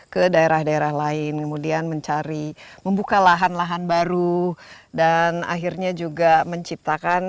ke daerah daerah lain kemudian mencari membuka lahan lahan baru dan akhirnya juga menciptakan